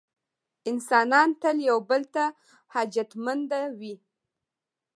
انسانان تل یو بل ته حاجتمنده وي.